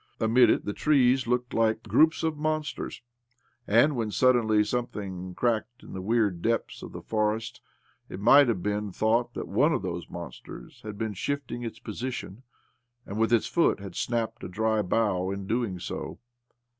Amid it the trees looked like groups of monsters ; and when, suddenly, something cracked in the weird depths of the forest, it might have been thought thax one of those monsters had been shifting its position, and with its foot had snapped a dry bough in doing so